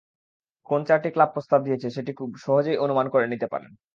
কোন চারটি ক্লাব প্রস্তাব দিয়েছে সেটি খুব সহজেই অনুমান করে নিতে পারেন।